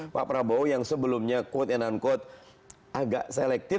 pak prabowo yang sebelumnya quote and unquote agak selektif